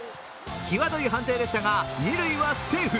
きわどい判定ですが二塁はセーフ。